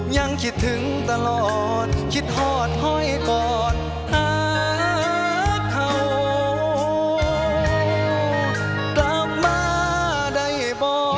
ยังคิดถึงตลอดคิดหอดห้อยกอดหาเขากลับมาได้บ่